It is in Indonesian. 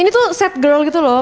ini tuh set girl gitu loh